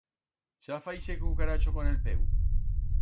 Chafa ixe cucaracho con el peu.